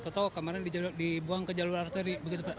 ketau kemarin dibuang ke jalur arteri